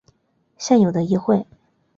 现有的议会。